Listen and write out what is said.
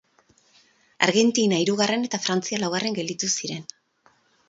Argentina hirugarren eta Frantzia laugarren gelditu ziren.